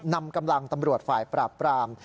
นำกำลังตำรวจฝ่ายปราบปราม